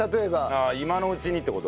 ああ今のうちにって事？